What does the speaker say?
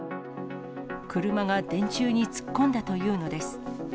車が電柱に突っ込んだというのです。